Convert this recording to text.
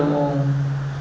thì tôi có đồng ý nhận